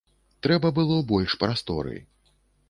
Трэба было больш прасторы.